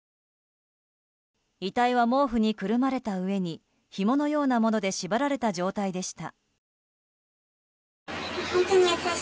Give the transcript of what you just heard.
遺体は毛布にくるまれたうえにひものようなもので縛られた状態でした。